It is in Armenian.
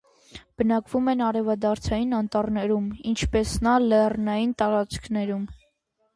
Բնակվում են արևադարձային անտառներում, ինչպես նա լեռնային տարածքներում։